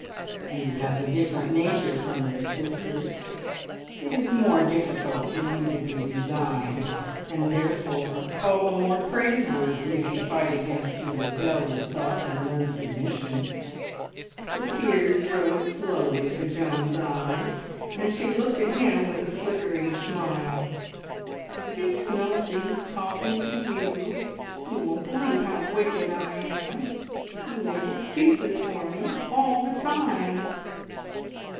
"You have a different nature from your sister's. It is more difficult for you to be resigned, and therefore all the more praiseworthy if you fight against your rebellious thoughts, and learn submission." The tears rose slowly to Joan's eyes, and she looked at him with a flickering smile. "It's no use talking to you. You won't believe how wicked I am. You make excuses for me all the time."